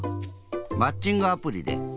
マッチングアプリで。